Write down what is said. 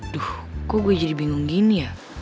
duh kok gue jadi bingung gini ya